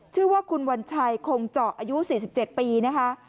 ชื่อว่าคุณวัญชัยคงเจาะอายุ๔๗ปีนะคะ